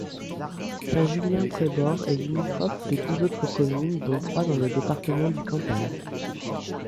Saint-Julien-près-Bort est limitrophe de dix autres communes, dont trois dans le département du Cantal.